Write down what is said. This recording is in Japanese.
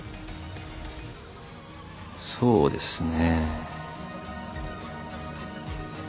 そうですね。